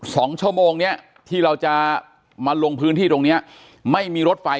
สองชั่วโมงเนี้ยที่เราจะมาลงพื้นที่ตรงเนี้ยไม่มีรถไฟ